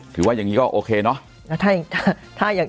ถือว่าอย่างนี้ก็โอเคเนอะ